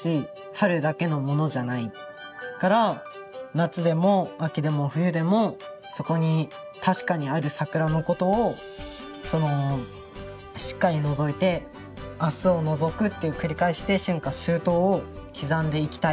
夏でも秋でも冬でもそこに確かにある桜のことをしっかりのぞいて「明日をのぞく」っていう繰り返しで「春夏秋冬」を刻んでいきたい。